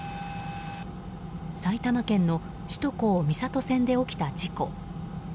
埼玉県の首都高三郷線で起きた事故。